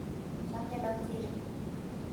商業登記